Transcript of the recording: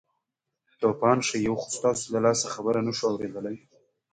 توپان شئ یو خو ستاسو له لاسه خبره نه شوو اورېدلی.